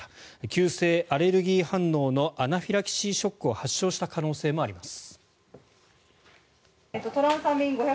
急性アレルギー反応のアナフィラキシーショックを発症した可能性もあります。